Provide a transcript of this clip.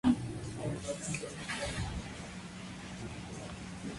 Las horas pareadas, pecioladas bien desarrollada y con la venación evidente.